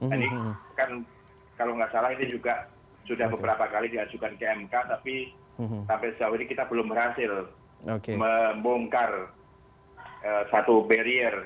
ini kan kalau nggak salah ini juga sudah beberapa kali diajukan ke mk tapi sampai sejauh ini kita belum berhasil membongkar satu barrier